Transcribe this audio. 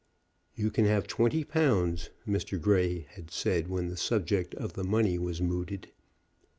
"You can have twenty pounds," Mr. Grey had said when the subject of the money was mooted.